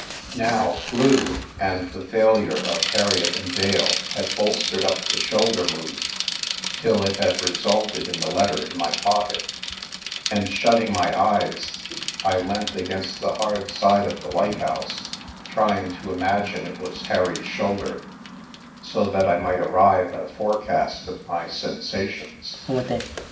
Now, "flu," and the failure of Heriot & Dale had bolstered up the shoulder mood till it had re sulted in the letter in my pocket ; and, shutting my eyes, I leant against the hard side of the lighthouse, trying to imagine it was Harry's shoulder, so that I might ar rive at a forecast of my sensations.